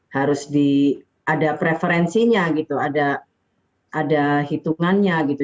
harus ada preferensinya gitu ada hitungannya gitu